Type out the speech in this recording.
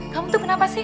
kamu tuh kenapa sih